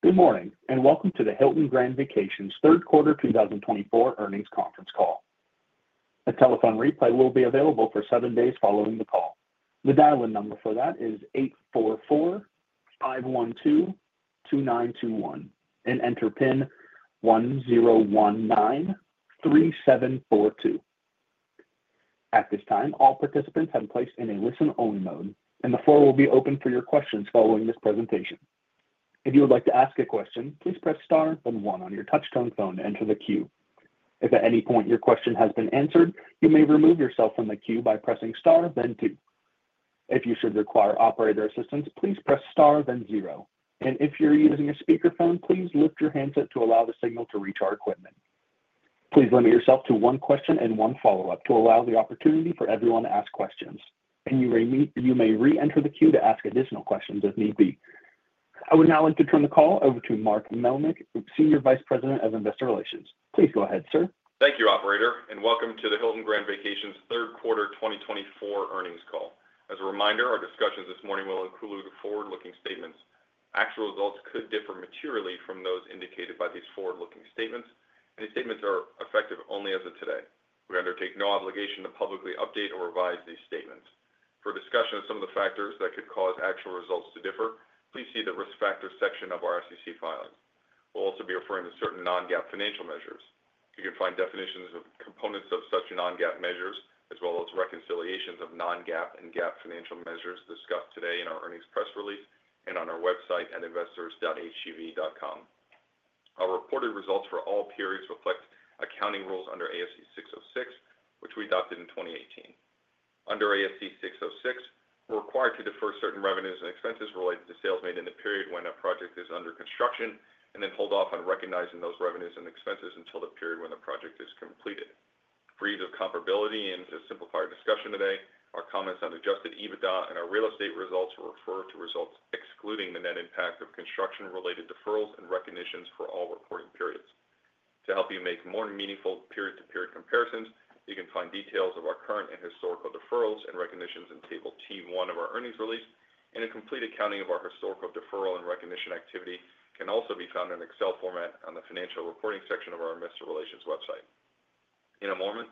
Good morning, and welcome to the Hilton Grand Vacations third quarter 2024 earnings conference call. A telephone replay will be available for seven days following the call. The dial-in number for that is 844-512-2921, and enter PIN 10193742. At this time, all participants have been placed in a listen-only mode, and the floor will be open for your questions following this presentation. If you would like to ask a question, please press star then one on your touch-tone phone to enter the queue. If at any point your question has been answered, you may remove yourself from the queue by pressing star then two. If you should require operator assistance, please press star then zero, and if you're using a speakerphone, please lift your handset to allow the signal to reach our equipment. Please limit yourself to one question and one follow-up to allow the opportunity for everyone to ask questions, and you may re-enter the queue to ask additional questions if need be. I would now like to turn the call over to Mark Melnyk, Senior Vice President of Investor Relations. Please go ahead, sir. Thank you, Operator, and welcome to the Hilton Grand Vacations third quarter 2024 earnings call. As a reminder, our discussions this morning will include forward-looking statements. Actual results could differ materially from those indicated by these forward-looking statements, and these statements are effective only as of today. We undertake no obligation to publicly update or revise these statements. For discussion of some of the factors that could cause actual results to differ, please see the risk factor section of our SEC filings. We'll also be referring to certain non-GAAP financial measures. You can find definitions of components of such non-GAAP measures, as well as reconciliations of non-GAAP and GAAP financial measures discussed today in our earnings press release and on our website at investors.hgv.com. Our reported results for all periods reflect accounting rules under ASC 606, which we adopted in 2018. Under ASC 606, we're required to defer certain revenues and expenses related to sales made in the period when a project is under construction and then hold off on recognizing those revenues and expenses until the period when the project is completed. For ease of comparability and to simplify our discussion today, our comments on adjusted EBITDA and our real estate results will refer to results excluding the net impact of construction-related deferrals and recognitions for all reporting periods. To help you make more meaningful period-to-period comparisons, you can find details of our current and historical deferrals and recognitions in table T1 of our earnings release, and a complete accounting of our historical deferral and recognition activity can also be found in Excel format on the financial reporting section of our Investor Relations website. In a moment,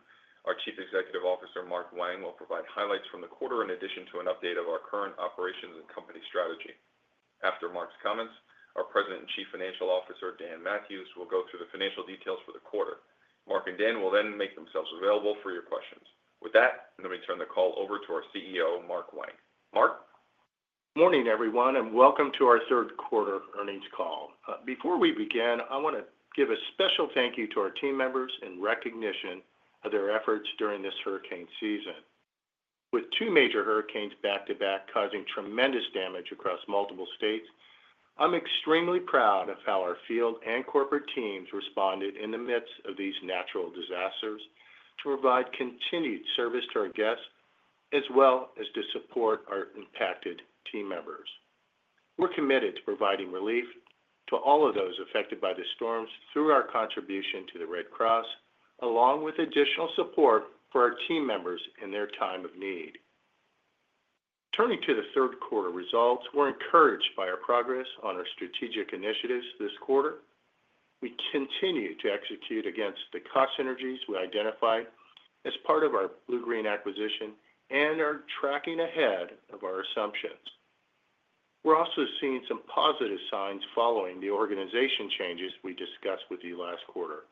our Chief Executive Officer, Mark Wang, will provide highlights from the quarter in addition to an update of our current operations and company strategy. After Mark's comments, our President and Chief Financial Officer, Dan Mathewes, will go through the financial details for the quarter. Mark and Dan will then make themselves available for your questions. With that, let me turn the call over to our CEO, Mark Wang. Mark. Morning, everyone, and welcome to our third quarter earnings call. Before we begin, I want to give a special thank you to our team members in recognition of their efforts during this hurricane season. With two major hurricanes back to back causing tremendous damage across multiple states, I'm extremely proud of how our field and corporate teams responded in the midst of these natural disasters to provide continued service to our guests, as well as to support our impacted team members. We're committed to providing relief to all of those affected by the storms through our contribution to the Red Cross, along with additional support for our team members in their time of need. Turning to the third quarter results, we're encouraged by our progress on our strategic initiatives this quarter. We continue to execute against the cost synergies we identified as part of our Bluegreen acquisition and are tracking ahead of our assumptions. We're also seeing some positive signs following the organization changes we discussed with you last quarter.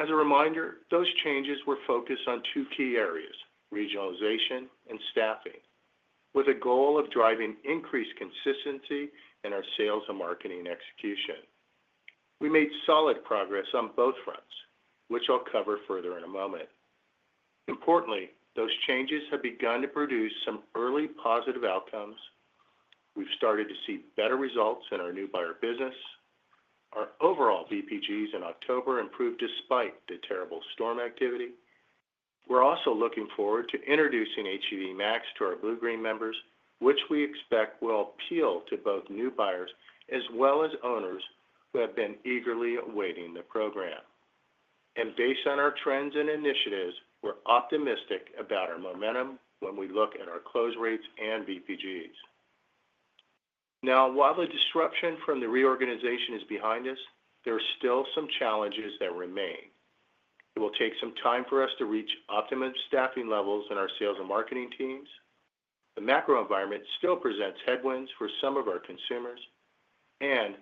As a reminder, those changes were focused on two key areas: regionalization and staffing, with a goal of driving increased consistency in our sales and marketing execution. We made solid progress on both fronts, which I'll cover further in a moment. Importantly, those changes have begun to produce some early positive outcomes. We've started to see better results in our new buyer business. Our overall VPGs in October improved despite the terrible storm activity. We're also looking forward to introducing HGV Max to our Bluegreen members, which we expect will appeal to both new buyers as well as owners who have been eagerly awaiting the program. Based on our trends and initiatives, we're optimistic about our momentum when we look at our close rates and VPGs. Now, while the disruption from the reorganization is behind us, there are still some challenges that remain. It will take some time for us to reach optimum staffing levels in our sales and marketing teams. The macro environment still presents headwinds for some of our consumers. And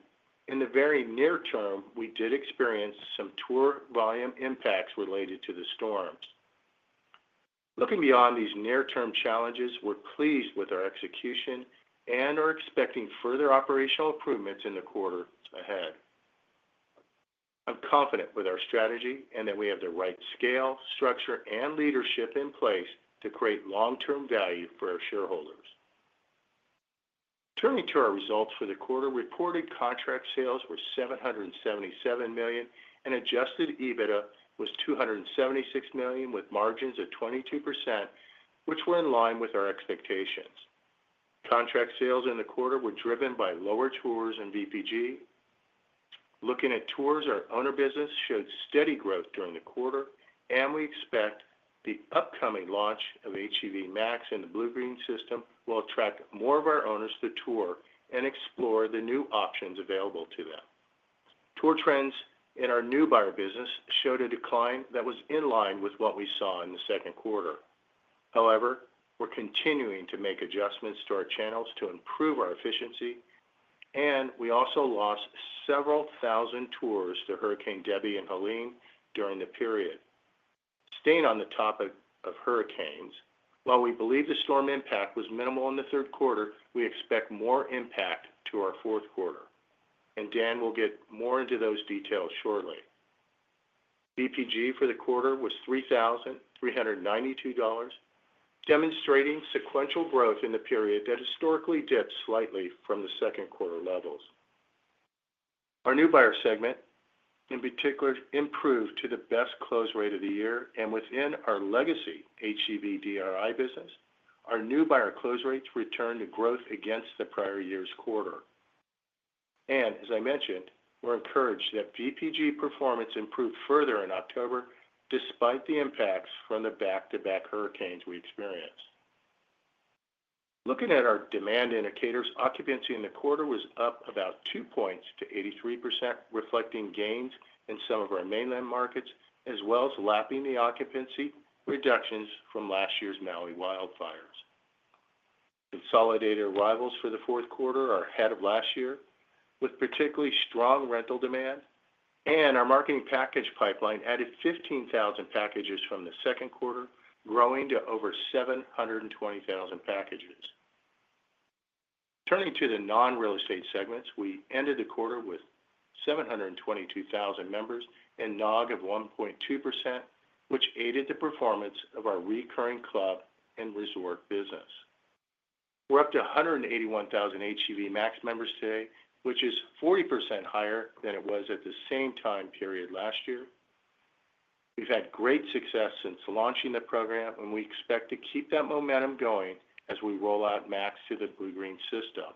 in the very near term, we did experience some tour volume impacts related to the storms. Looking beyond these near-term challenges, we're pleased with our execution and are expecting further operational improvements in the quarter ahead. I'm confident with our strategy and that we have the right scale, structure, and leadership in place to create long-term value for our shareholders. Turning to our results for the quarter, reported contract sales were $777 million, and adjusted EBITDA was $276 million, with margins of 22%, which were in line with our expectations. Contract sales in the quarter were driven by lower tours and VPG. Looking at tours, our owner business showed steady growth during the quarter, and we expect the upcoming launch of HGV Max and the Bluegreen system will attract more of our owners to tour and explore the new options available to them. Tour trends in our new buyer business showed a decline that was in line with what we saw in the second quarter. However, we're continuing to make adjustments to our channels to improve our efficiency, and we also lost several thousand tours to Hurricane Debby and Helene during the period. Staying on the topic of hurricanes, while we believe the storm impact was minimal in the third quarter, we expect more impact to our fourth quarter, and Dan will get more into those details shortly. VPG for the quarter was $3,392, demonstrating sequential growth in the period that historically dipped slightly from the second quarter levels. Our new buyer segment, in particular, improved to the best close rate of the year, and within our legacy HGV DRI business, our new buyer close rates returned to growth against the prior year's quarter, and as I mentioned, we're encouraged that VPG performance improved further in October despite the impacts from the back-to-back hurricanes we experienced. Looking at our demand indicators, occupancy in the quarter was up about two points to 83%, reflecting gains in some of our mainland markets, as well as lapping the occupancy reductions from last year's Maui wildfires. Consolidated arrivals for the fourth quarter are ahead of last year, with particularly strong rental demand, and our marketing package pipeline added 15,000 packages from the second quarter, growing to over 720,000 packages. Turning to the non-real estate segments, we ended the quarter with 722,000 members and a NOG of 1.2%, which aided the performance of our recurring club and resort business. We're up to 181,000 HGV Max members today, which is 40% higher than it was at the same time period last year. We've had great success since launching the program, and we expect to keep that momentum going as we roll out Max to the Bluegreen system.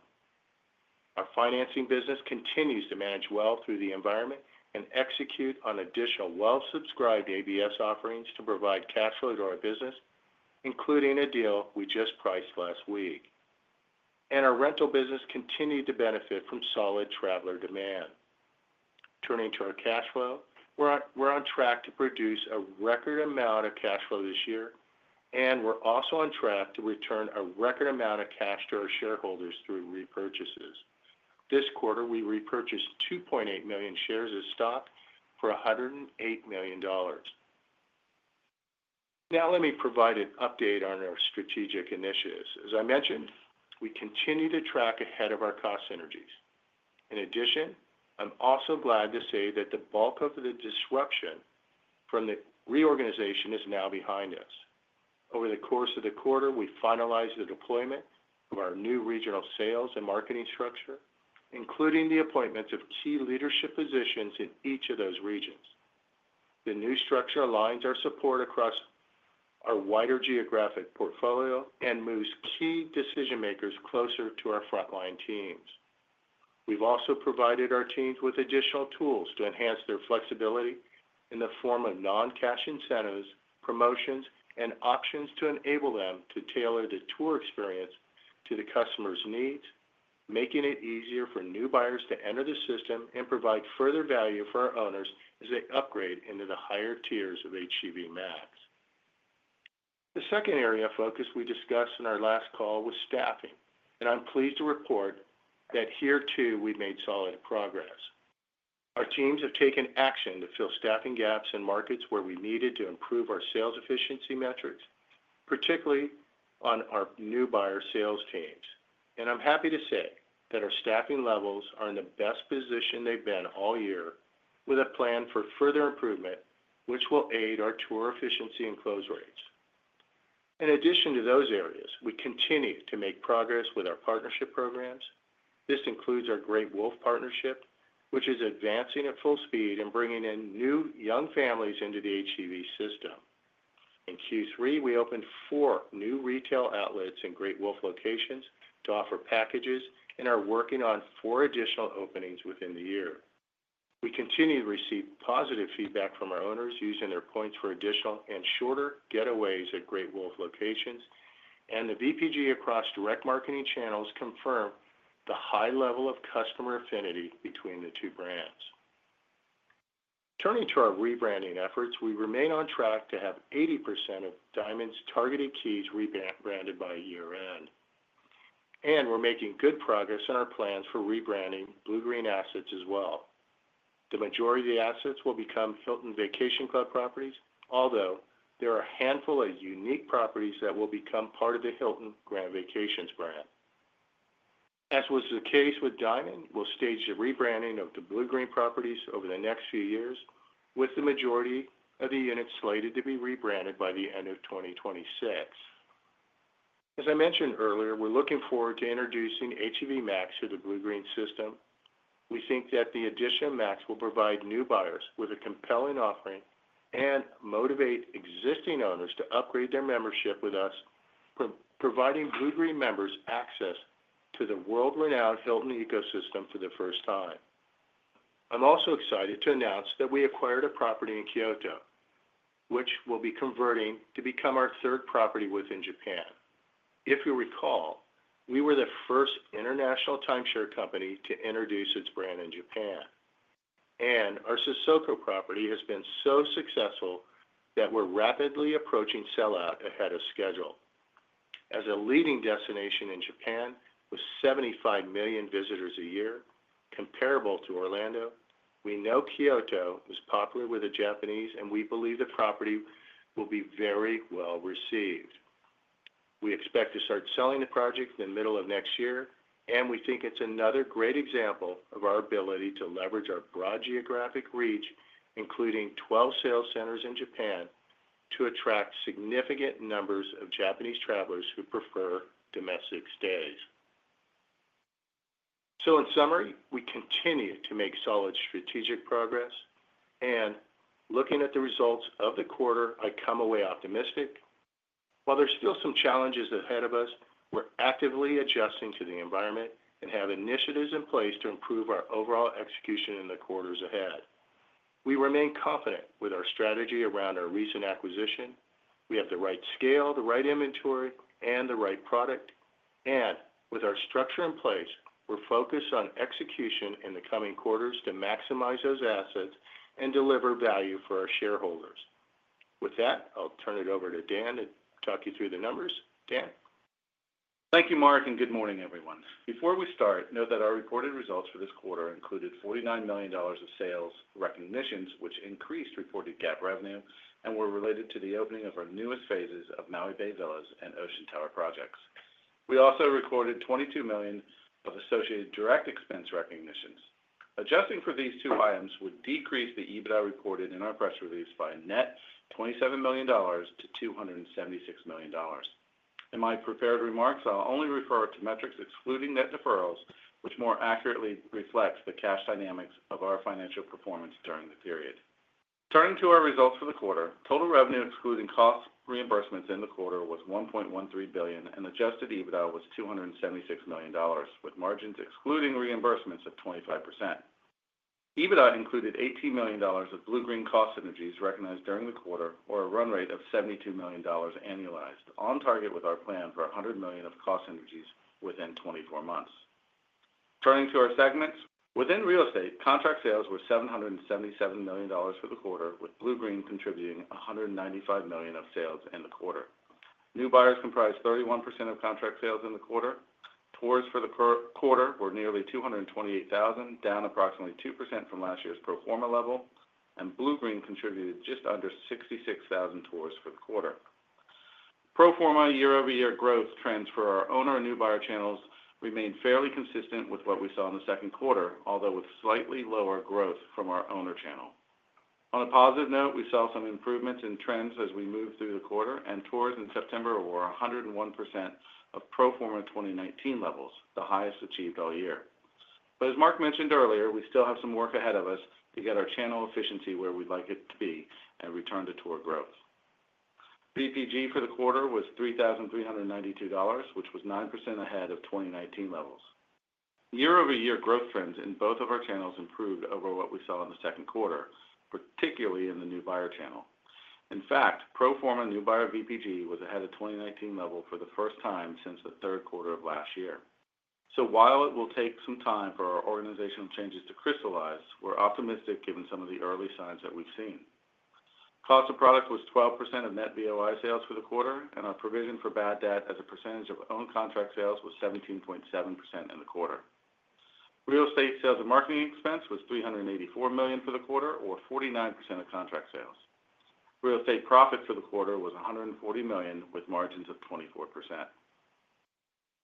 Our financing business continues to manage well through the environment and execute on additional well-subscribed ABS offerings to provide cash flow to our business, including a deal we just priced last week. And our rental business continued to benefit from solid traveler demand. Turning to our cash flow, we're on track to produce a record amount of cash flow this year, and we're also on track to return a record amount of cash to our shareholders through repurchases. This quarter, we repurchased 2.8 million shares of stock for $108 million. Now, let me provide an update on our strategic initiatives. As I mentioned, we continue to track ahead of our cost synergies. In addition, I'm also glad to say that the bulk of the disruption from the reorganization is now behind us. Over the course of the quarter, we finalized the deployment of our new regional sales and marketing structure, including the appointments of key leadership positions in each of those regions. The new structure aligns our support across our wider geographic portfolio and moves key decision-makers closer to our frontline teams. We've also provided our teams with additional tools to enhance their flexibility in the form of non-cash incentives, promotions, and options to enable them to tailor the tour experience to the customer's needs, making it easier for new buyers to enter the system and provide further value for our owners as they upgrade into the higher tiers of HGV Max. The second area of focus we discussed in our last call was staffing, and I'm pleased to report that here, too, we've made solid progress. Our teams have taken action to fill staffing gaps in markets where we needed to improve our sales efficiency metrics, particularly on our new buyer sales teams, and I'm happy to say that our staffing levels are in the best position they've been all year, with a plan for further improvement, which will aid our tour efficiency and close rates. In addition to those areas, we continue to make progress with our partnership programs. This includes our Great Wolf partnership, which is advancing at full speed and bringing in new young families into the HGV system. In Q3, we opened four new retail outlets in Great Wolf locations to offer packages and are working on four additional openings within the year. We continue to receive positive feedback from our owners using their points for additional and shorter getaways at Great Wolf locations, and the VPG across direct marketing channels confirmed the high level of customer affinity between the two brands. Turning to our rebranding efforts, we remain on track to have 80% of Diamond's targeted keys rebranded by year-end, and we're making good progress in our plans for rebranding Bluegreen assets as well. The majority of the assets will become Hilton Vacation Club properties, although there are a handful of unique properties that will become part of the Hilton Grand Vacations brand. As was the case with Diamond, we'll stage the rebranding of the Bluegreen properties over the next few years, with the majority of the units slated to be rebranded by the end of 2026. As I mentioned earlier, we're looking forward to introducing HGV Max to the Bluegreen system. We think that the addition of Max will provide new buyers with a compelling offering and motivate existing owners to upgrade their membership with us, providing Bluegreen members access to the world-renowned Hilton ecosystem for the first time. I'm also excited to announce that we acquired a property in Kyoto, which we'll be converting to become our third property within Japan. If you recall, we were the first international timeshare company to introduce its brand in Japan. And our Sesoko property has been so successful that we're rapidly approaching sellout ahead of schedule. As a leading destination in Japan with 75 million visitors a year, comparable to Orlando, we know Kyoto is popular with the Japanese, and we believe the property will be very well received. We expect to start selling the project in the middle of next year, and we think it's another great example of our ability to leverage our broad geographic reach, including 12 sales centers in Japan, to attract significant numbers of Japanese travelers who prefer domestic stays. So, in summary, we continue to make solid strategic progress. And looking at the results of the quarter, I come away optimistic. While there's still some challenges ahead of us, we're actively adjusting to the environment and have initiatives in place to improve our overall execution in the quarters ahead. We remain confident with our strategy around our recent acquisition. We have the right scale, the right inventory, and the right product. And with our structure in place, we're focused on execution in the coming quarters to maximize those assets and deliver value for our shareholders. With that, I'll turn it over to Dan to talk you through the numbers. Dan? Thank you, Mark, and good morning, everyone. Before we start, note that our reported results for this quarter included $49 million of sales recognitions, which increased reported GAAP revenue and were related to the opening of our newest phases of Maui Bay Villas and Ocean Tower projects. We also recorded $22 million of associated direct expense recognitions. Adjusting for these two items would decrease the EBITDA reported in our press release by a net $27 million to $276 million. In my prepared remarks, I'll only refer to metrics excluding net deferrals, which more accurately reflects the cash dynamics of our financial performance during the period. Turning to our results for the quarter, total revenue excluding cost reimbursements in the quarter was $1.13 billion, and adjusted EBITDA was $276 million, with margins excluding reimbursements of 25%. EBITDA included $18 million of Bluegreen cost synergies recognized during the quarter, or a run rate of $72 million annualized, on target with our plan for $100 million of cost synergies within 24 months. Turning to our segments, within real estate, contract sales were $777 million for the quarter, with Bluegreen contributing $195 million of sales in the quarter. New buyers comprised 31% of contract sales in the quarter. Tours for the quarter were nearly 228,000, down approximately 2% from last year's pro forma level, and Bluegreen contributed just under 66,000 tours for the quarter. Pro forma year-over-year growth trends for our owner and new buyer channels remained fairly consistent with what we saw in the second quarter, although with slightly lower growth from our owner channel. On a positive note, we saw some improvements in trends as we moved through the quarter, and tours in September were 101% of pro forma 2019 levels, the highest achieved all year. But as Mark mentioned earlier, we still have some work ahead of us to get our channel efficiency where we'd like it to be and return to tour growth. BPG for the quarter was $3,392, which was 9% ahead of 2019 levels. Year-over-year growth trends in both of our channels improved over what we saw in the second quarter, particularly in the new buyer channel. In fact, pro forma new buyer VPG was ahead of 2019 level for the first time since the third quarter of last year. While it will take some time for our organizational changes to crystallize, we're optimistic given some of the early signs that we've seen. Cost of product was 12% of net VOI sales for the quarter, and our provision for bad debt as a percentage of own contract sales was 17.7% in the quarter. Real estate sales and marketing expense was $384 million for the quarter, or 49% of contract sales. Real estate profit for the quarter was $140 million, with margins of 24%.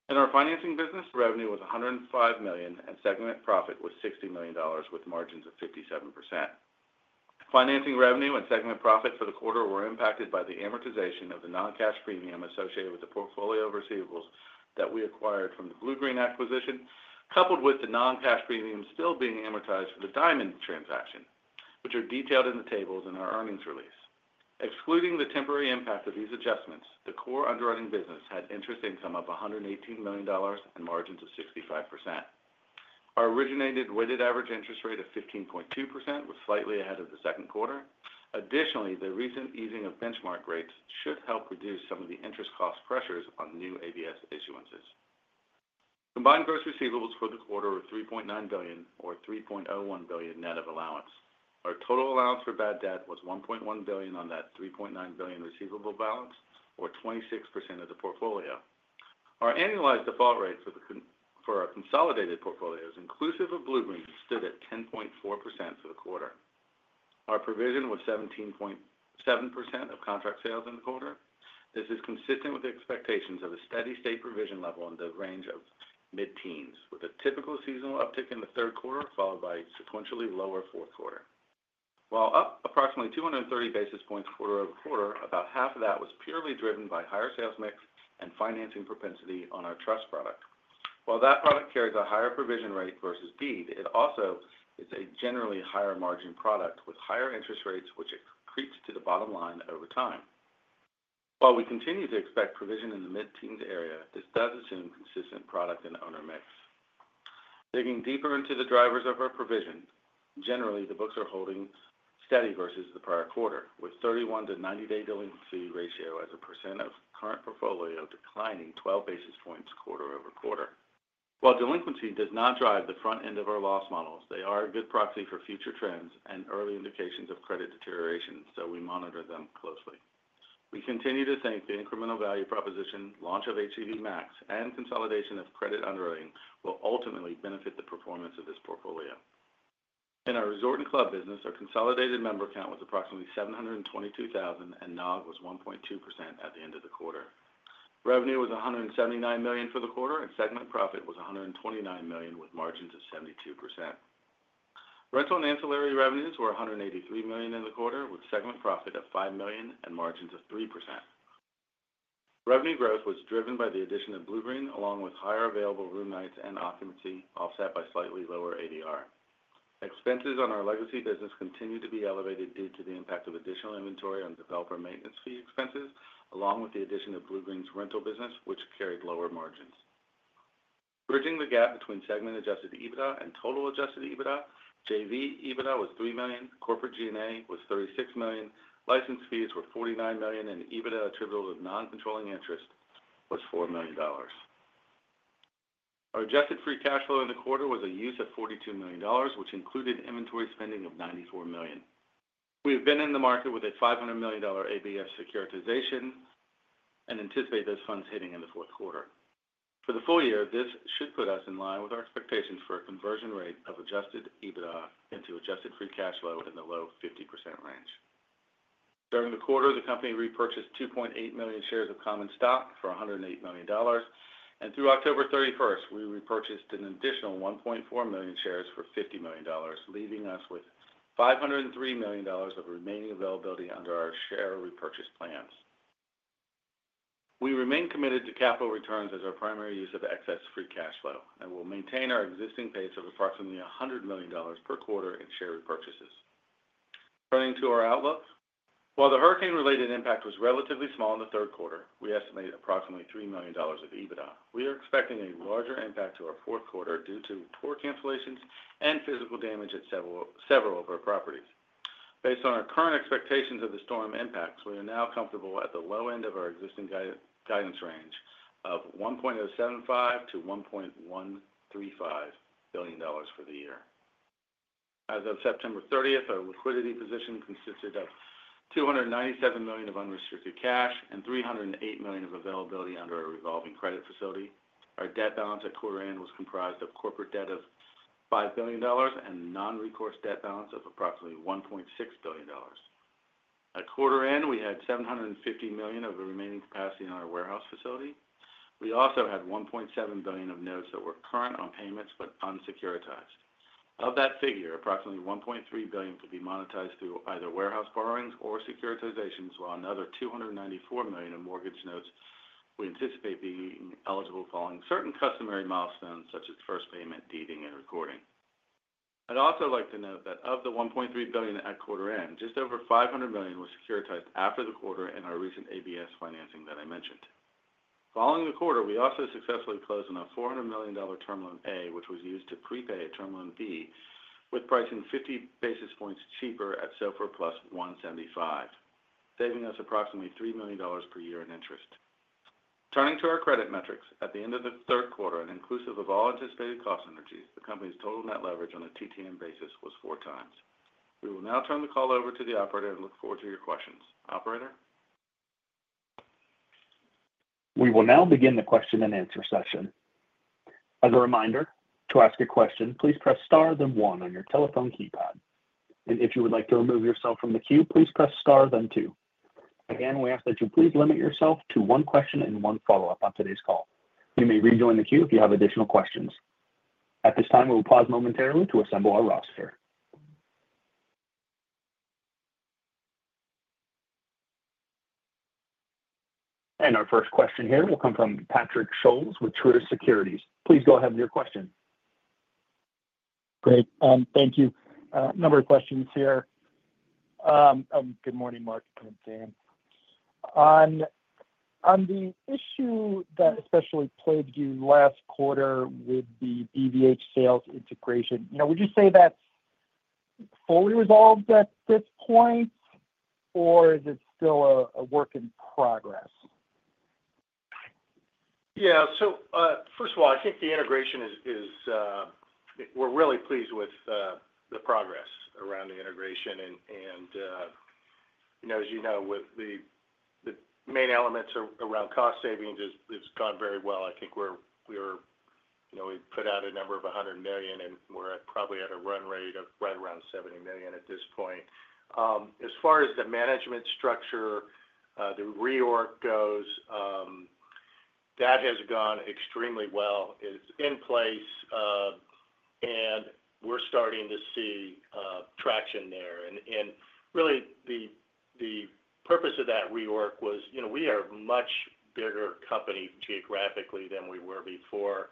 In our financing business, revenue was $105 million, and segment profit was $60 million, with margins of 57%. Financing revenue and segment profit for the quarter were impacted by the amortization of the non-cash premium associated with the portfolio of receivables that we acquired from the Bluegreen acquisition, coupled with the non-cash premium still being amortized for the Diamond transaction, which are detailed in the tables in our earnings release. Excluding the temporary impact of these adjustments, the core underwriting business had interest income of $118 million and margins of 65%. Our originated weighted average interest rate of 15.2% was slightly ahead of the second quarter. Additionally, the recent easing of benchmark rates should help reduce some of the interest cost pressures on new ABS issuances. Combined gross receivables for the quarter were $3.9 billion, or $3.01 billion net of allowance. Our total allowance for bad debt was $1.1 billion on that $3.9 billion receivable balance, or 26% of the portfolio. Our annualized default rate for our consolidated portfolios, inclusive of Bluegreen, stood at 10.4% for the quarter. Our provision was 17.7% of contract sales in the quarter. This is consistent with expectations of a steady state provision level in the range of mid-teens, with a typical seasonal uptick in the third quarter followed by sequentially lower fourth quarter. While up approximately 230 basis points quarter over quarter, about half of that was purely driven by higher sales mix and financing propensity on our trust product. While that product carries a higher provision rate versus Deed, it also is a generally higher margin product with higher interest rates, which creeps to the bottom line over time. While we continue to expect provision in the mid-teens area, this does assume consistent product and owner mix. Digging deeper into the drivers of our provision, generally, the books are holding steady versus the prior quarter, with 31- to 90-day delinquency ratio as a percent of current portfolio declining 12 basis points quarter over quarter. While delinquency does not drive the front end of our loss models, they are a good proxy for future trends and early indications of credit deterioration, so we monitor them closely. We continue to think the incremental value proposition, launch of HGV Max, and consolidation of credit underwriting will ultimately benefit the performance of this portfolio. In our resort and club business, our consolidated member count was approximately 722,000, and NOG was 1.2% at the end of the quarter. Revenue was $179 million for the quarter, and segment profit was $129 million, with margins of 72%. Rental and ancillary revenues were $183 million in the quarter, with segment profit of $5 million and margins of 3%. Revenue growth was driven by the addition of Bluegreen, along with higher available room nights and occupancy offset by slightly lower ADR. Expenses on our legacy business continued to be elevated due to the impact of additional inventory on developer maintenance fee expenses, along with the addition of Bluegreen's rental business, which carried lower margins. Bridging the gap between segment-adjusted EBITDA and total adjusted EBITDA, JV EBITDA was $3 million, corporate G&A was $36 million, license fees were $49 million, and EBITDA attributable to non-controlling interest was $4 million. Our adjusted free cash flow in the quarter was a use of $42 million, which included inventory spending of $94 million. We have been in the market with a $500 million ABS securitization and anticipate those funds hitting in the fourth quarter. For the full year, this should put us in line with our expectations for a conversion rate of adjusted EBITDA into adjusted free cash flow in the low 50% range. During the quarter, the company repurchased 2.8 million shares of Common Stock for $108 million, and through October 31st, we repurchased an additional 1.4 million shares for $50 million, leaving us with $503 million of remaining availability under our share repurchase plans. We remain committed to capital returns as our primary use of excess free cash flow, and we'll maintain our existing pace of approximately $100 million per quarter in share repurchases. Turning to our outlook, while the hurricane-related impact was relatively small in the third quarter, we estimate approximately $3 million of EBITDA. We are expecting a larger impact to our fourth quarter due to tour cancellations and physical damage at several of our properties. Based on our current expectations of the storm impacts, we are now comfortable at the low end of our existing guidance range of $1.075 to $1.135 billion for the year. As of September 30th, our liquidity position consisted of $297 million of unrestricted cash and $308 million of availability under our revolving credit facility. Our debt balance at quarter end was comprised of corporate debt of $5 billion and non-recourse debt balance of approximately $1.6 billion. At quarter end, we had $750 million of the remaining capacity in our warehouse facility. We also had $1.7 billion of notes that were current on payments but unsecuritized. Of that figure, approximately $1.3 billion could be monetized through either warehouse borrowings or securitizations, while another $294 million of mortgage notes we anticipate being eligible following certain customary milestones such as first payment, deeding, and recording. I'd also like to note that of the $1.3 billion at quarter end, just over $500 million was securitized after the quarter in our recent ABS financing that I mentioned. Following the quarter, we also successfully closed on a $400 million Term A, which was used to prepay a Term B, with pricing 50 basis points cheaper at SOFR plus 175, saving us approximately $3 million per year in interest. Turning to our credit metrics, at the end of the third quarter, and inclusive of all anticipated cost synergies, the company's total net leverage on a TTM basis was four times. We will now turn the call over to the operator and look forward to your questions. Operator? We will now begin the question and answer session. As a reminder, to ask a question, please press star then one on your telephone keypad, and if you would like to remove yourself from the queue, please press star then two. Again, we ask that you please limit yourself to one question and one follow-up on today's call. You may rejoin the queue if you have additional questions. At this time, we will pause momentarily to assemble our roster, and our first question here will come from Patrick Scholes with Truist Securities. Please go ahead with your question. Great. Thank you. Number of questions here. Good morning, Mark. Good morning, Dan. On the issue that especially plagued you last quarter with the BVH sales integration, would you say that's fully resolved at this point, or is it still a work in progress? Yeah. So first of all, I think the integration is we're really pleased with the progress around the integration. And as you know, the main elements around cost savings have gone very well. I think we put out a number of $100 million, and we're probably at a run rate of right around $70 million at this point. As far as the management structure, the reorg goes, that has gone extremely well. It's in place, and we're starting to see traction there. And really, the purpose of that reorg was we are a much bigger company geographically than we were before.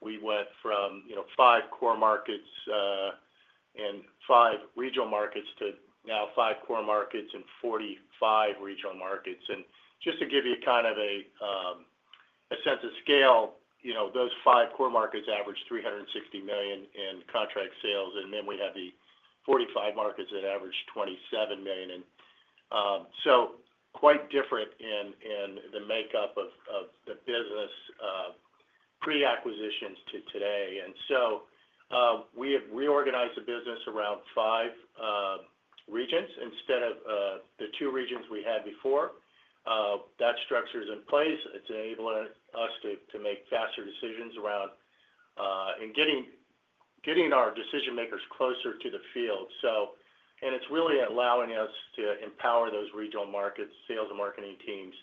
We went from five core markets and five regional markets to now five core markets and 45 regional markets. And just to give you kind of a sense of scale, those five core markets averaged $360 million in contract sales, and then we had the 45 markets that averaged $27 million. And so quite different in the makeup of the business pre-acquisitions to today. And so we have reorganized the business around five regions instead of the two regions we had before. That structure is in place. It's enabling us to make faster decisions around and getting our decision-makers closer to the field. And it's really allowing us to empower those regional markets, sales and marketing teams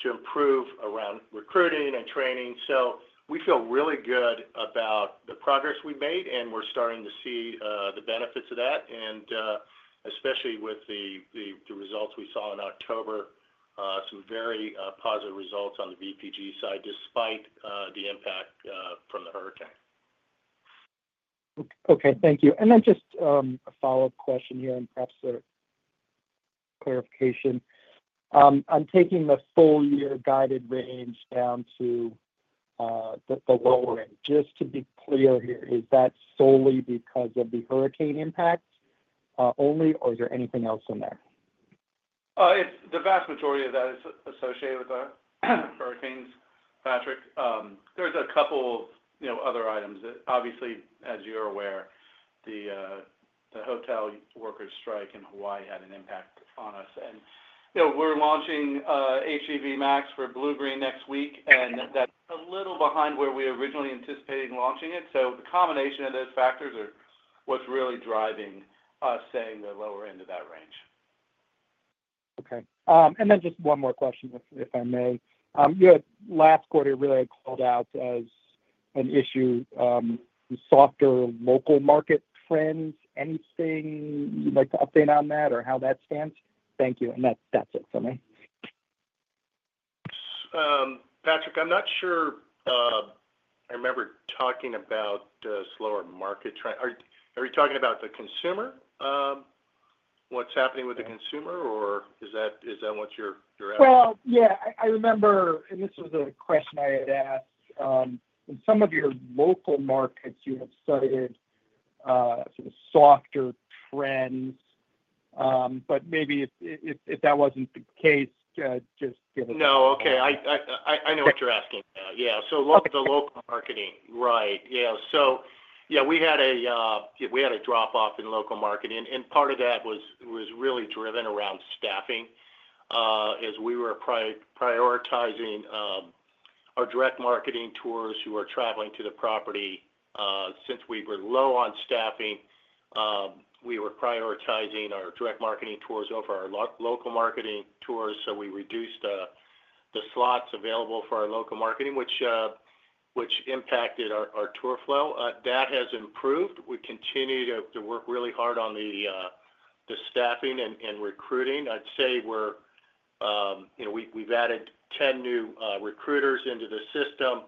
to improve around recruiting and training. So we feel really good about the progress we've made, and we're starting to see the benefits of that. And especially with the results we saw in October, some very positive results on the VPG side despite the impact from the hurricane. Okay. Thank you. And then just a follow-up question here and perhaps a clarification. I'm taking the full-year guided range down to the lower end. Just to be clear here, is that solely because of the hurricane impact only, or is there anything else in there? The vast majority of that is associated with our hurricanes, Patrick. There's a couple of other items. Obviously, as you're aware, the hotel workers' strike in Hawaii had an impact on us. And we're launching HGV Max for Bluegreen next week, and that's a little behind where we originally anticipated launching it. So the combination of those factors is what's really driving us staying in the lower end of that range. Okay. And then just one more question, if I may. Last quarter, it really called out as an issue of softer local market trends. Anything you'd like to update on that or how that stands? Thank you. And that's it for me. Patrick, I'm not sure I remember talking about the slower market trend. Are we talking about the consumer, what's happening with the consumer, or is that what you're asking? Well, yeah. I remember, and this was a question I had asked. In some of your local markets, you have cited softer trends. But maybe if that wasn't the case, just give us a— No. Okay. I know what you're asking. Yeah. So the local marketing. Right. Yeah. So yeah, we had a drop-off in local marketing. And part of that was really driven around staffing as we were prioritizing our direct marketing tours who were traveling to the property. Since we were low on staffing, we were prioritizing our direct marketing tours over our local marketing tours. So we reduced the slots available for our local marketing, which impacted our tour flow. That has improved. We continue to work really hard on the staffing and recruiting. I'd say we've added 10 new recruiters into the system.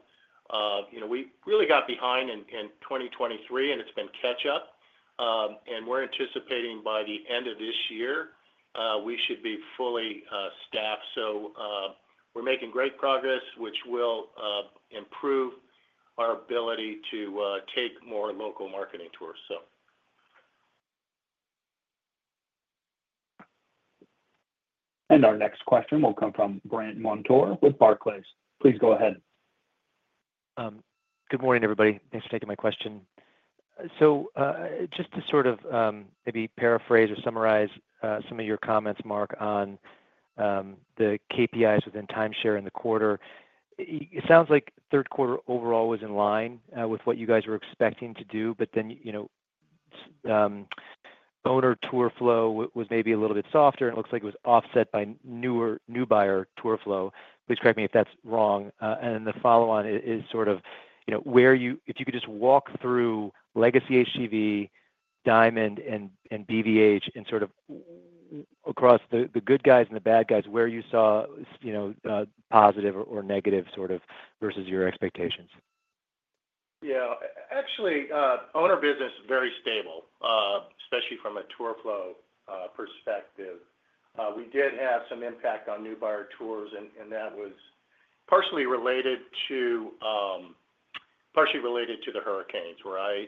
We really got behind in 2023, and it's been catch-up. And we're anticipating by the end of this year, we should be fully staffed. So we're making great progress, which will improve our ability to take more local marketing tours, so. And our next question will come from Brandt Montour with Barclays. Please go ahead. Good morning, everybody. Thanks for taking my question. So just to sort of maybe paraphrase or summarize some of your comments, Mark, on the KPIs within timeshare in the quarter, it sounds like third quarter overall was in line with what you guys were expecting to do, but then owner tour flow was maybe a little bit softer. And it looks like it was offset by new buyer tour flow. Please correct me if that's wrong. And then the follow-on is sort of where you—if you could just walk through legacy HGV, Diamond, and Bluegreen, and sort of across the good guys and the bad guys, where you saw positive or negative sort of versus your expectations. Yeah. Actually, owner business is very stable, especially from a tour flow perspective. We did have some impact on new buyer tours, and that was partially related to the hurricanes, where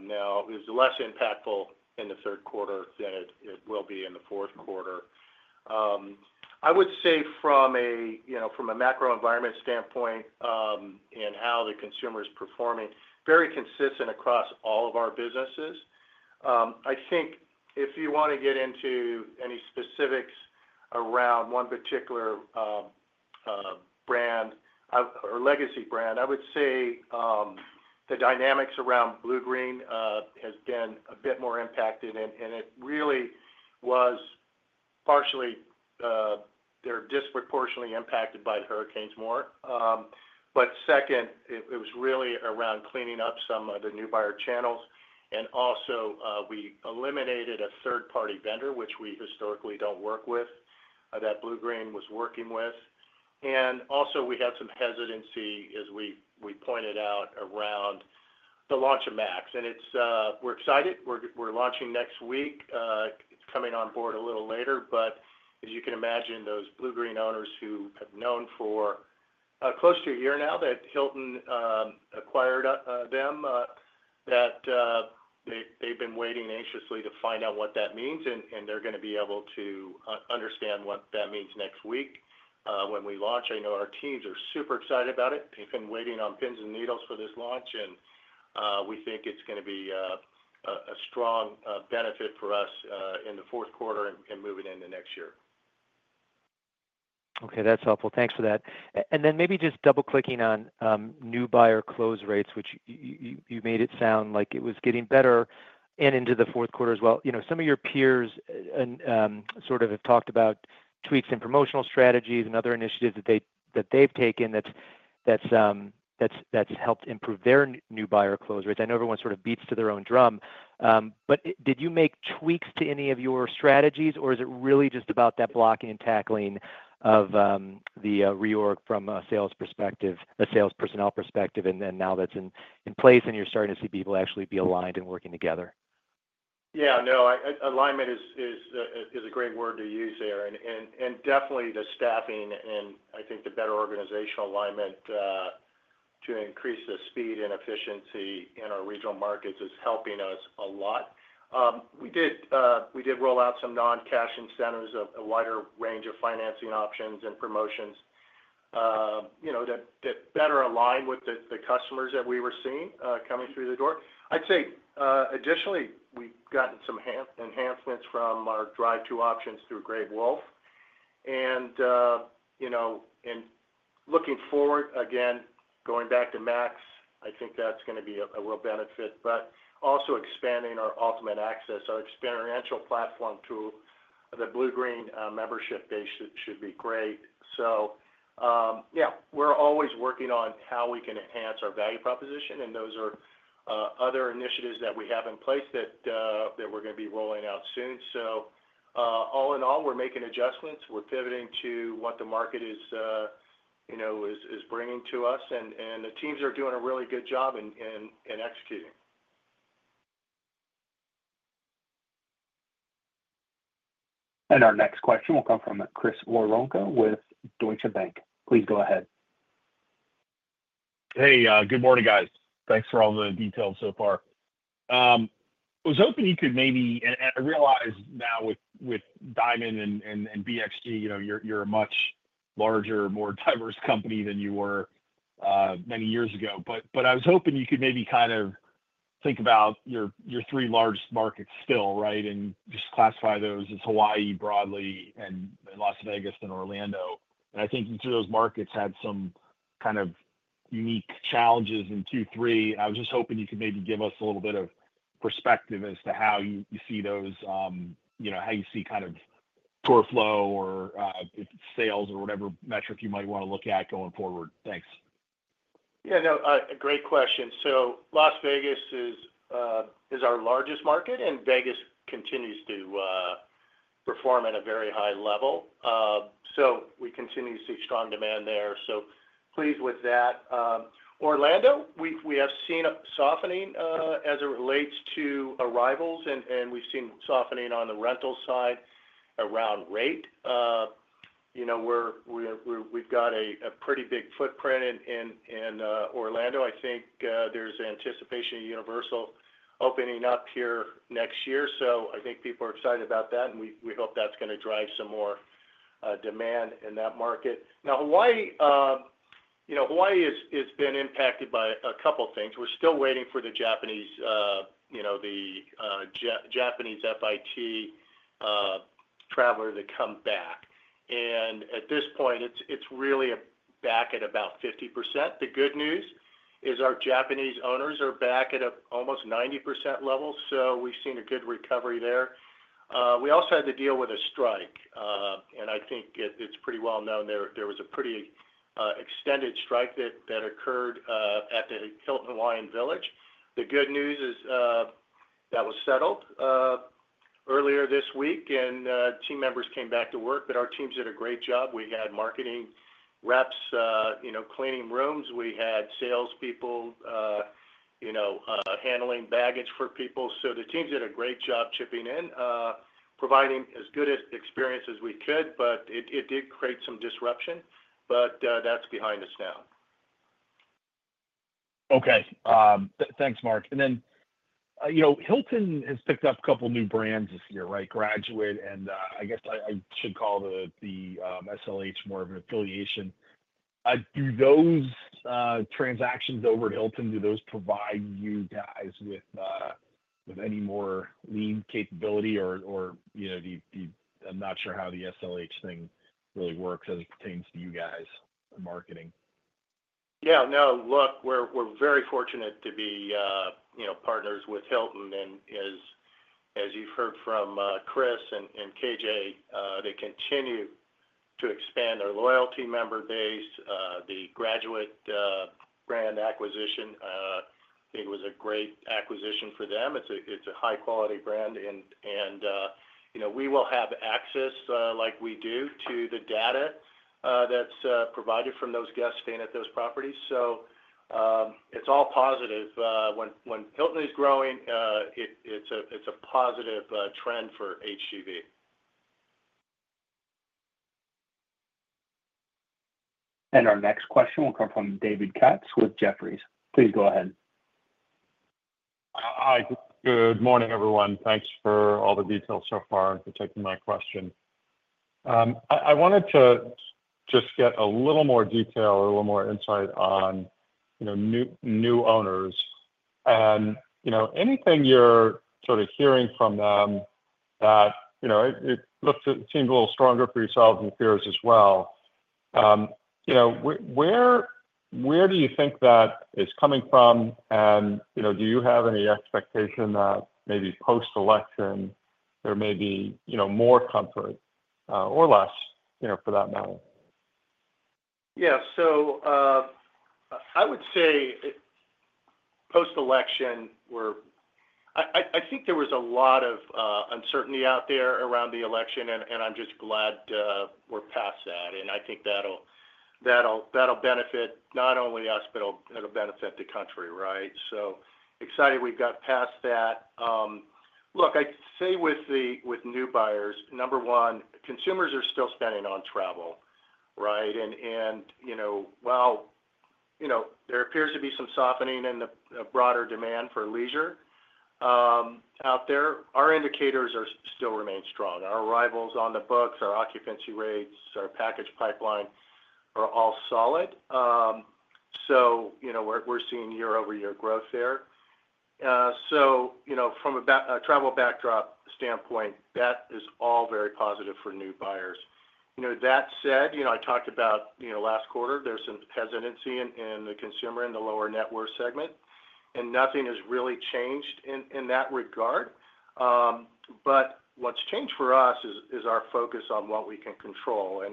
now it was less impactful in the third quarter than it will be in the fourth quarter. I would say from a macro environment standpoint and how the consumer is performing, very consistent across all of our businesses. I think if you want to get into any specifics around one particular brand or legacy brand, I would say the dynamics around Bluegreen has been a bit more impacted. And it really was partially, they're disproportionately impacted by the hurricanes more. But second, it was really around cleaning up some of the new buyer channels. And also, we eliminated a third-party vendor, which we historically don't work with, that Bluegreen was working with. And also, we had some hesitancy, as we pointed out, around the launch of Max. And we're excited. We're launching next week. It's coming on board a little later. But as you can imagine, those Bluegreen owners who have known for close to a year now that Hilton acquired them, that they've been waiting anxiously to find out what that means. And they're going to be able to understand what that means next week when we launch. I know our teams are sup`er excited about it. They've been waiting on pins and needles for this launch. And we think it's going to be a strong benefit for us in the fourth quarter and moving into next year. Okay. That's helpful. Thanks for that. And then maybe just double-clicking on new buyer close rates, which you made it sound like it was getting better and into the fourth quarter as well. Some of your peers sort of have talked about tweaks in promotional strategies and other initiatives that they've taken that's helped improve their new buyer close rates. I know everyone sort of beats to their own drum. But did you make tweaks to any of your strategies, or is it really just about that blocking and tackling of the reorg from a sales perspective, a sales personnel perspective, and then now that's in place and you're starting to see people actually be aligned and working together? Yeah. No. Alignment is a great word to use there. And definitely, the staffing and I think the better organizational alignment to increase the speed and efficiency in our regional markets is helping us a lot. We did roll out some non-cash incentives, a wider range of financing options and promotions that better align with the customers that we were seeing coming through the door. I'd say, additionally, we've gotten some enhancements from our drive-through options through Great Wolf. And looking forward, again, going back to Max, I think that's going to be a real benefit. But also expanding our Ultimate Access, our experiential platform tool, the Bluegreen membership base should be great. So yeah, we're always working on how we can enhance our value proposition. And those are other initiatives that we have in place that we're going to be rolling out soon. So all in all, we're making adjustments. We're pivoting to what the market is bringing to us. And the teams are doing a really good job in executing. And our next question will come from Chris Woronka with Deutsche Bank. Please go ahead. Hey. Good morning, guys. Thanks for all the details so far. I was hoping you could maybe - and I realize now with Diamond and Bluegreen, you're a much larger, more diverse company than you were many years ago. But I was hoping you could maybe kind of think about your three largest markets still, right, and just classify those as Hawaii broadly and Las Vegas and Orlando. And I think you through those markets had some kind of unique challenges in Q3. I was just hoping you could maybe give us a little bit of perspective as to how you see those, how you see kind of tour flow or sales or whatever metric you might want to look at going forward. Thanks. Yeah. No. Great question. So Las Vegas is our largest market, and Vegas continues to perform at a very high level. So we continue to see strong demand there. So pleased with that. Orlando, we have seen a softening as it relates to arrivals, and we've seen softening on the rental side around rate. We've got a pretty big footprint in Orlando. I think there's anticipation of Universal opening up here next year. So I think people are excited about that, and we hope that's going to drive some more demand in that market. Now, Hawaii has been impacted by a couple of things. We're still waiting for the Japanese FIT traveler to come back. And at this point, it's really back at about 50%. The good news is our Japanese owners are back at almost 90% level. So we've seen a good recovery there. We also had to deal with a strike. And I think it's pretty well known there. There was a pretty extended strike that occurred at the Hilton Hawaiian Village. The good news is that was settled earlier this week, and team members came back to work. But our teams did a great job. We had marketing reps cleaning rooms. We had salespeople handling baggage for people. So the teams did a great job chipping in, providing as good an experience as we could. But it did create some disruption. But that's behind us now. Okay. Thanks, Mark. And then Hilton has picked up a couple of new brands this year, right, Graduate. And I guess I should call the SLH more of an affiliation. Do those transactions over at Hilton, do those provide you guys with any more lean capability? Or I'm not sure how the SLH thing really works as it pertains to you guys' marketing. Yeah. No. Look, we're very fortunate to be partners with Hilton. And as you've heard from Chris and KJ, they continue to expand their loyalty member base. The graduate brand acquisition, I think, was a great acquisition for them. It's a high-quality brand. And we will have access like we do to the data that's provided from those guests staying at those properties. So it's all positive. When Hilton is growing, it's a positive trend for HGV. And our next question will come from David Katz with Jefferies. Please go ahead. Hi. Good morning, everyone. Thanks for all the details so far and for taking my question. I wanted to just get a little more detail, a little more insight on new owners. And anything you're sort of hearing from them that it seems a little stronger for yourselves and peers as well. Where do you think that is coming from? And do you have any expectation that maybe post-election, there may be more comfort or less, for that matter? Yeah. So I would say post-election, I think there was a lot of uncertainty out there around the election. And I'm just glad we're past that. And I think that'll benefit not only us, but it'll benefit the country, right? So excited we've got past that. Look, I'd say with new buyers, number one, consumers are still spending on travel, right? And while there appears to be some softening in the broader demand for leisure out there, our indicators still remain strong. Our arrivals on the books, our occupancy rates, our package pipeline are all solid. So we're seeing year-over-year growth there. So from a travel backdrop standpoint, that is all very positive for new buyers. That said, I talked about last quarter, there's some hesitancy in the consumer in the lower net worth segment. And nothing has really changed in that regard. But what's changed for us is our focus on what we can control.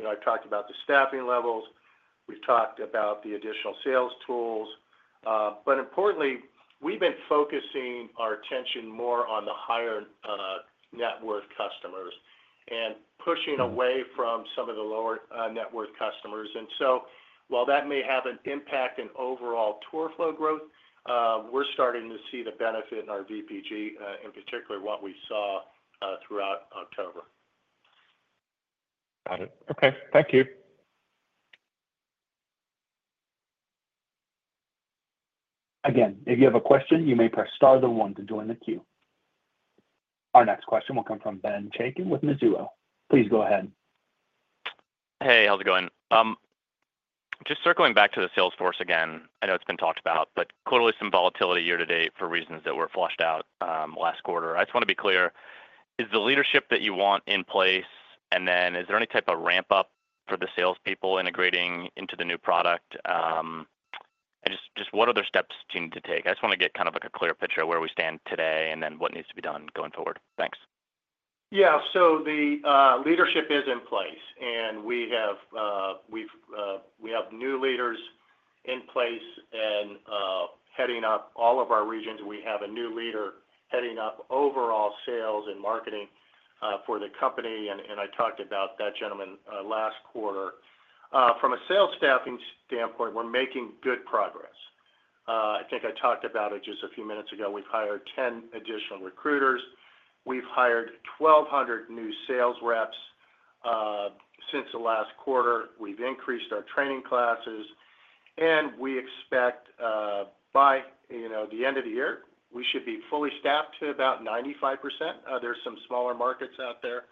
And I've talked about the staffing levels. We've talked about the additional sales tools. But importantly, we've been focusing our attention more on the higher net worth customers and pushing away from some of the lower net worth customers. And so while that may have an impact in overall tour flow growth, we're starting to see the benefit in our VPG, in particular what we saw throughout October. Got it. Okay. Thank you. Again, if you have a question, you may press star then one to join the queue. Our next question will come from Ben Chaiken with Mizuho. Please go ahead. Hey. How's it going? Just circling back to the Salesforce again. I know it's been talked about, but clearly some volatility year to date for reasons that were flushed out last quarter. I just want to be clear. Is the leadership that you want in place? And then is there any type of ramp-up for the salespeople integrating into the new product? And just what other steps do you need to take? I just want to get kind of a clear picture of where we stand today and then what needs to be done going forward. Thanks. Yeah. So the leadership is in place. And we have new leaders in place and heading up all of our regions. We have a new leader heading up overall sales and marketing for the company. And I talked about that gentleman last quarter. From a sales staffing standpoint, we're making good progress. I think I talked about it just a few minutes ago. We've hired 10 additional recruiters. We've hired 1,200 new sales reps since the last quarter. We've increased our training classes, and we expect by the end of the year, we should be fully staffed to about 95%. There's some smaller markets out there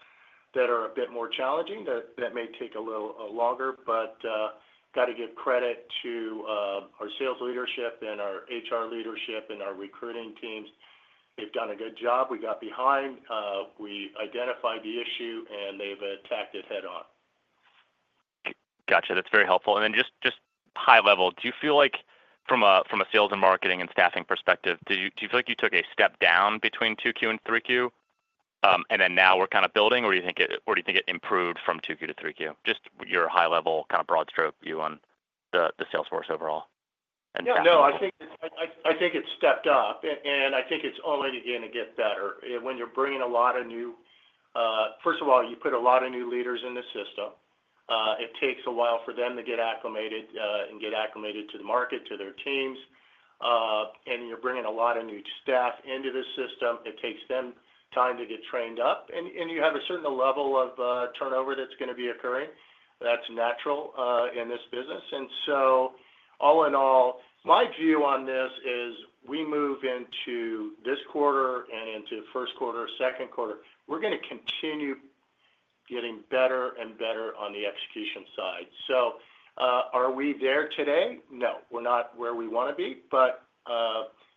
that are a bit more challenging. That may take a little longer, but I've got to give credit to our sales leadership and our HR leadership and our recruiting teams. They've done a good job. We got behind. We identified the issue, and they've attacked it head-on. Gotcha. That's very helpful, and then just high level, do you feel like from a sales and marketing and staffing perspective, do you feel like you took a step down between 2Q and 3Q? And then now we're kind of building? Or do you think it improved from 2Q to 3Q? Just your high-level kind of broad stroke view on the sales force overall and staffing. Yeah. No. I think it's stepped up. And I think it's only going to get better. When you're bringing a lot of new first of all, you put a lot of new leaders in the system. It takes a while for them to get acclimated to the market, to their teams. And you're bringing a lot of new staff into the system. It takes them time to get trained up. And you have a certain level of turnover that's going to be occurring. That's natural in this business. And so all in all, my view on this is we move into this quarter and into first quarter, second quarter, we're going to continue getting better and better on the execution side. So are we there today? No. We're not where we want to be. But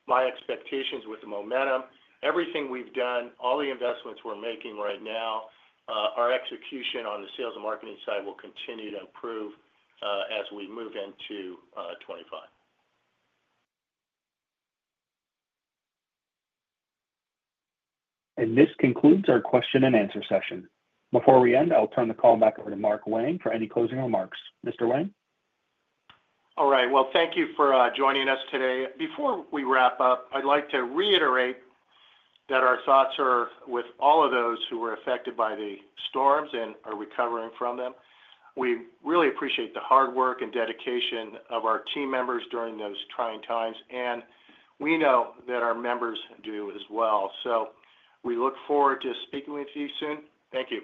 my expectations with the momentum, everything we've done, all the investments we're making right now, our execution on the sales and marketing side will continue to improve as we move into 2025. And this concludes our question and answer session. Before we end, I'll turn the call back over to Mark Wang for any closing remarks. Mr. Wang? All right. Well, thank you for joining us today. Before we wrap up, I'd like to reiterate that our thoughts are with all of those who were affected by the storms and are recovering from them. We really appreciate the hard work and dedication of our team members during those trying times. And we know that our members do as well. So we look forward to speaking with you soon. Thank you.